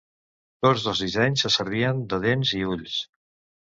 Tots dos dissenys se servien de dents i ulls.